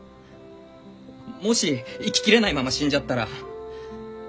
もし生き切れないまま死んじゃったら。